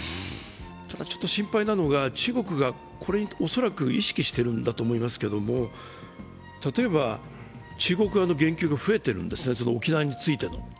ただ、ちょっと心配なのが中国はこれを恐らく意識しているのだと思いますけれども、例えば中国側の言及が増えてるんですね、沖縄についての。